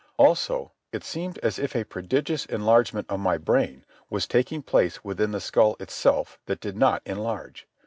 Also, it seemed as if a prodigious enlargement of my brain was taking place within the skull itself that did not enlarge.